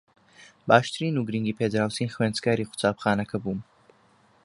باشترین و گرنگی پێدراوترین خوێندکاری قوتابخانەکە بووم